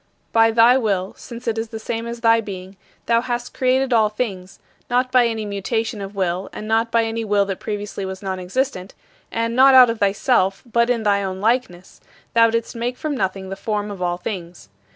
By thy will, since it is the same as thy being, thou hast created all things, not by any mutation of will and not by any will that previously was nonexistent and not out of thyself, but in thy own likeness, thou didst make from nothing the form of all things.